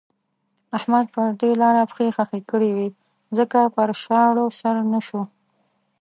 احمد پر دې لاره پښې خښې کړې وې ځکه پر شاړو سر نه شو.